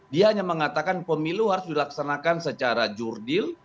dia hanya mengatakan pemilu harus dilaksanakan secara jurdil